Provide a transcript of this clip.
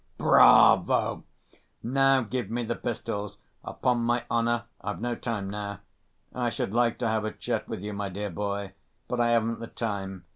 "Bravo! Now give me the pistols. Upon my honor I've no time now. I should like to have a chat with you, my dear boy, but I haven't the time.